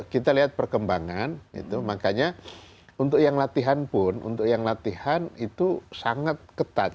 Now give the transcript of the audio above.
kita lihat perkembangan makanya untuk yang latihan pun untuk yang latihan itu sangat ketat